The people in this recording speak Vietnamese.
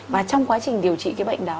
và trong quá trình điều trị cái bệnh đó